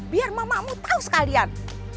biar mamamu tahu sekalian